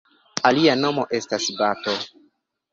Alia nomo estas bato.